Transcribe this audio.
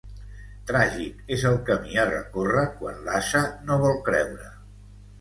Tràgic és el camí a recórrer quan l'ase no vol creure.